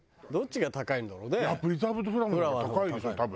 いやプリザーブドフラワーの方が高いでしょ多分。